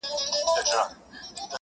• شكر چي ښكلا يې خوښــه ســوېده.